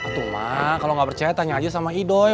tuh mak kalau gak percaya tanya aja sama idoi